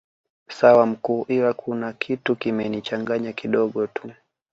Sawa mkuu ila kuna kitu kimenichanganya kidogo tu